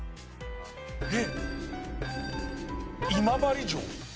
えっ？今治城？